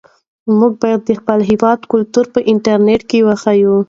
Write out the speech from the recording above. موږ باید د خپل هېواد کلتور په انټرنيټ کې وښیو.